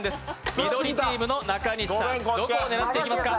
緑チームの中西さん、どこ狙っていきますか。